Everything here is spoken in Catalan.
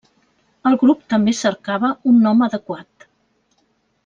El grup també cercava un nom adequat.